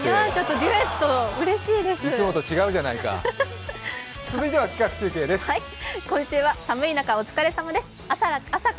デュエット、うれしいですいつもと違うじゃないか。